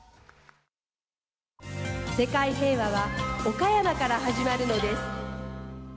世界平和は岡山から始まるのです。